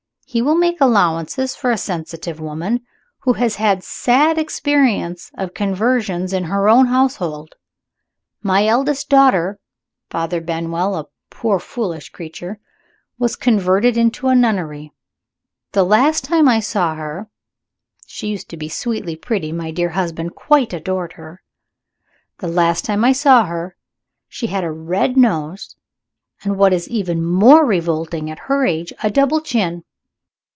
He will make allowances for a sensitive woman, who has had sad experience of conversions in her own household. My eldest daughter, Father Benwell a poor foolish creature was converted into a nunnery. The last time I saw her (she used to be sweetly pretty; my dear husband quite adored her) the last time I saw her she had a red nose, and, what is even more revolting at her age, a double chin.